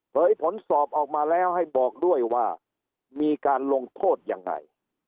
ผลสอบออกมาแล้วให้บอกด้วยว่ามีการลงโทษยังไง